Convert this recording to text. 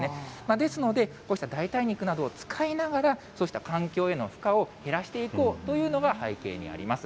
ですので、こうした代替肉などを使いながら、そうした環境への負荷を減らしていこうというのが背景にあります。